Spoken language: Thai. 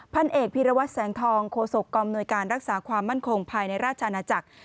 พันเอกพีรวัตรแสงทองโคศกกำนวยการรักษาความมั่นคงภายในราชอาณาจักร